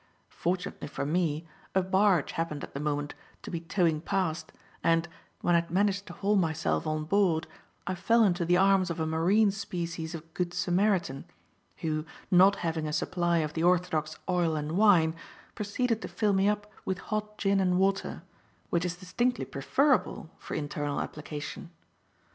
Fortunately for me, a barge happened at the moment to be towing past, and, when I had managed to haul myself on board, I fell into the arms of a marine species of Good Samaritan, who, not having a supply of the orthodox oil and wine, proceeded to fill me up with hot gin and water, which is distinctly preferable for internal application.